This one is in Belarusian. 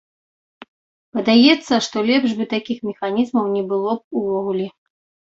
Падаецца, што лепш бы такіх механізмаў не было б увогуле.